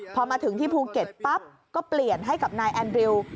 พอมาถึงที่ภูเก็ตปั๊บก็เปลี่ยนให้กับนายแอนดริว